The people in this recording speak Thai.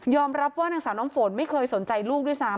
รับว่านางสาวน้ำฝนไม่เคยสนใจลูกด้วยซ้ำ